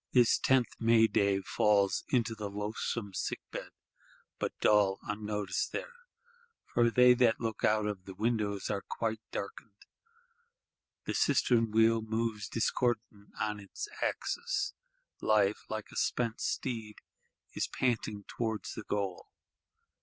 This tenth May day falls into the loathsome sick bed; but dull, unnoticed there: for they that look out of the windows are quite darkened; the cistern wheel moves discordant on its axis; Life, like a spent steed, is panting towards the goal.